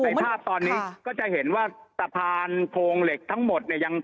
ภาพตอนนี้ก็จะเห็นว่าสะพานโครงเหล็กทั้งหมดเนี่ยยัง